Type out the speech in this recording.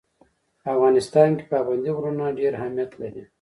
په افغانستان کې پابندی غرونه ډېر اهمیت لري.